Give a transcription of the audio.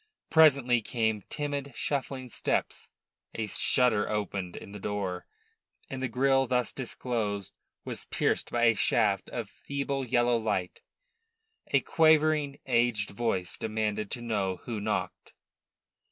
Presently came timid, shuffling steps; a shutter opened in the door, and the grille thus disclosed was pierced by a shaft of feeble yellow light. A quavering, aged voice demanded to know who knocked.